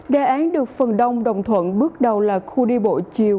đề án được phần đông đồng thuận bước đầu là khu đi bộ chiều